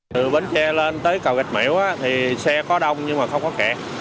từ bến tre lên tới cầu gạch mỉu thì xe có đông nhưng mà không có kẹt